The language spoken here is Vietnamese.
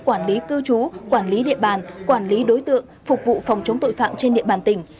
quản lý cư trú quản lý địa bàn quản lý đối tượng phục vụ phòng chống tội phạm trên địa bàn tỉnh